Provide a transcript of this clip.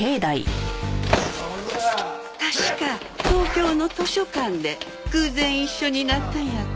確か東京の図書館で偶然一緒になったんやったな。